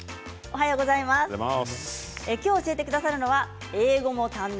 今日、教えてくださるのは英語も堪能